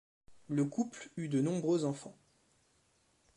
Le couple eut de nombreux enfants.